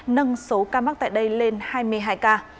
nâng số ca mắc tại đây lên hai mươi hai ca